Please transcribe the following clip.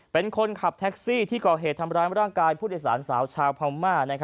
เป็นคนขับแท็กซี่ที่ก่อเหตุทำร้ายร่างกายผู้โดยสารสาวชาวพม่า